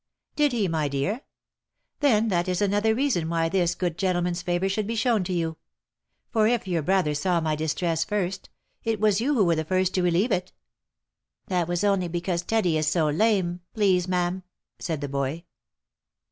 " Did he, my dear ? Then that is another reason why this good gentleman's favour should be shown to you ; for if your brother saw my distress first, it was you who were the first to relieve it." "That was only because Teddy is so lame, please ma'am," said the boy.